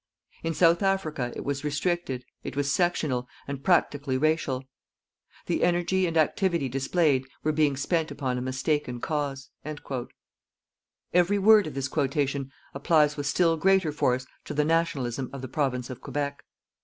In South Africa it was restricted, it was sectional, and practically racial. The energy and activity displayed were being spent upon a mistaken cause._" Every word of this quotation applies with still greater force to the "nationalism" of the Province of Quebec.